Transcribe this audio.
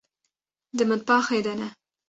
Di mitbaxê de ne.